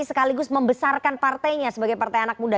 sekaligus membesarkan partainya sebagai partai anak muda